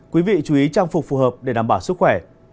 quý vị chú ý trang phục phù hợp để đảm bảo sức khỏe